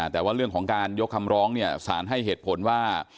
แต่ว่าเรื่องของการยกคำร้องเนี่ยสารให้เหตุผลว่า